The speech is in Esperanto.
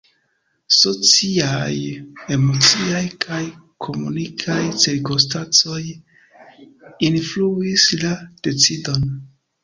Sociaj, emociaj kaj komunikaj cirkonstancoj influis la decidon.